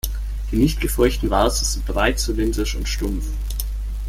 Die nicht gefurchten Warzen sind breit zylindrisch und stumpf.